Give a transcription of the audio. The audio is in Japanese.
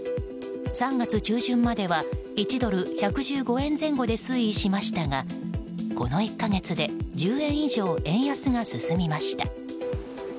３月中旬までは１ドル＝１１５円前後で推移しましたがこの１か月で１０円以上円安が進みました。